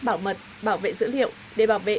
bảo mật bảo vệ dữ liệu để bảo vệ